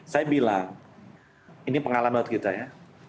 saya bilang ini pengalaman buat kita ya